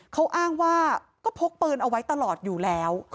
เขาอ้างว่าก็พกปืนเอาไว้ตลอดอยู่แล้ว